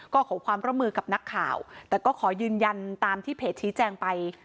ก็ขอความร่วมมือกับนักข่าวแต่ก็ขอยืนยันตามที่เพจชี้แจงไป